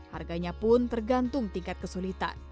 harganya pun tergantung tingkat kesulitan